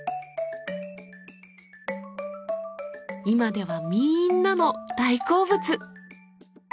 今ではみんなの大好物。